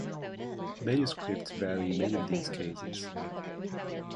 Manuscripts vary in many of these cases.